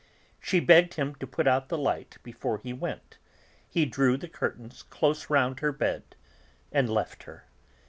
She begged him to put out the light before he went; he drew the curtains close round her bed and left her.